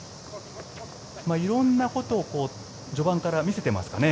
色んなことを序盤から見せていますかね。